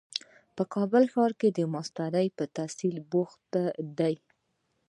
په کابل کې د ماسټرۍ په تحصیل بوخت دی.